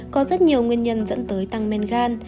có rất nhiều nguyên nhân dẫn tới tăng men gan